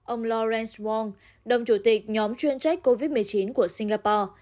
ông lawrence wong đồng chủ tịch nhóm chuyên trách covid một mươi chín của singapore